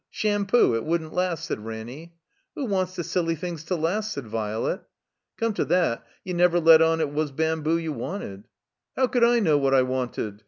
Sham poo! It wouldn't last," said Ranny. '*Who wants the silly things to last?" said Violet. "Come to that, you never let on it was bamboo you wanted." ''How could I know what I wanted?